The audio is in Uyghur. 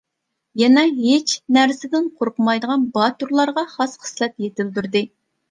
يەنە ھېچ نەرسىدىن قورقمايدىغان باتۇرلارغا خاس خىسلەت يېتىلدۈردى.